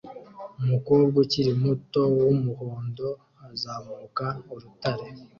Umukobwa ukiri muto wumuhondo azamuka urutare